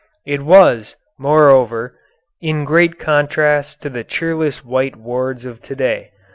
"It was, moreover, in great contrast to the cheerless white wards of to day.